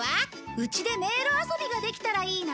うちで迷路遊びができたらいいな